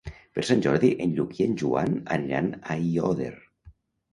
Per Sant Jordi en Lluc i en Joan aniran a Aiòder.